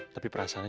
tapi perasanya juga